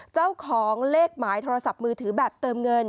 เจ้าของเลขหมายโทรศัพท์มือถือแบบเติมเงิน